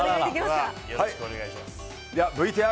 よろしくお願いします。